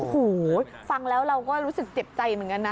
โอ้โหฟังแล้วเราก็รู้สึกเจ็บใจเหมือนกันนะ